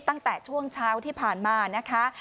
ตั้งแต่ช่วงเช้าที่ผ่านมานะคะ